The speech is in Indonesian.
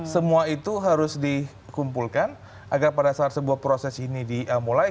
semua itu harus dikumpulkan agar pada saat sebuah proses ini dimulai